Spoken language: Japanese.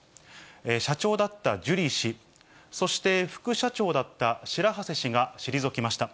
社長だったジュリー氏、そして副社長だった白波瀬氏が退きました。